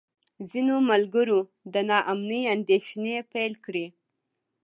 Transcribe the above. ځینو ملګرو د نا امنۍ اندېښنې پیل کړې.